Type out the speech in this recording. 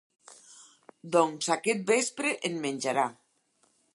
Doncs aquest vespre en menjarà.